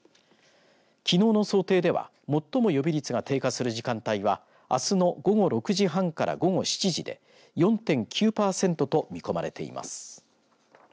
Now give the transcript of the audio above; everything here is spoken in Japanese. きのうの想定では最も予備率が低下する時間帯はあすの午後６時半から午後７時で４．９パーセントと見込まれています。